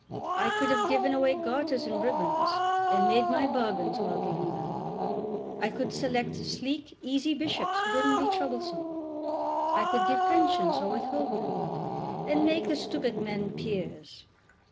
I could have given away garters and ribbons, and made my bargains while giving them. I could select sleek, easy bishops who wouldn't be troublesome. I could give pensions or withhold them, and make the stupid men peers.